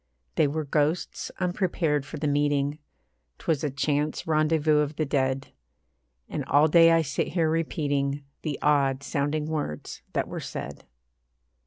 They were ghosts, unprepared for the meeting; 'Twas a chance rendezvous of the dead; And all day I sit here repeating The odd sounding words that were said.